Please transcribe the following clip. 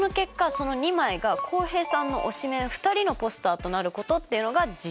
その２枚が浩平さんの推しメン２人のポスターとなることっていうのが事象なんです。